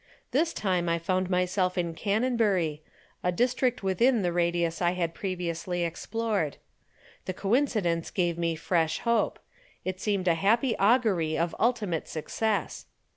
This time I found myself in Canonbury, a district within the radius I had previously explored. The coincidence gave me fresh hope it seemed a happy augury of ultimate success.